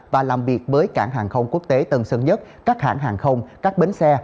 và làm việc với cảng hàng không quốc tế tân sơn nhất các hãng hàng không các bến xe